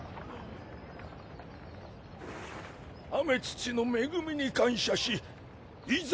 天地の恵みに感謝しいざ